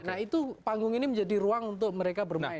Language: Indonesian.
nah itu panggung ini menjadi ruang untuk mereka bermain